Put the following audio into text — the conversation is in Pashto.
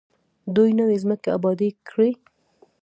دوی نوې ځمکې ابادې کړې.